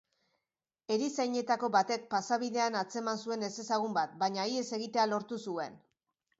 Erizainetako batek pasabidean atzeman zuen ezezagun bat, baina ihes egitea lortu zuen.